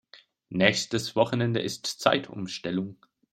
Nächstes Wochenende ist Zeitumstellung.